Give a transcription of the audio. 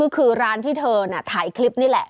คือร้านที่เธอถ่ายคลิปนี่แหละ